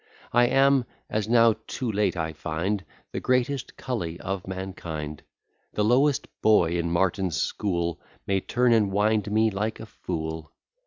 I am, as now too late I find, The greatest cully of mankind; The lowest boy in Martin's school May turn and wind me like a fool.